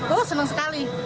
oh senang sekali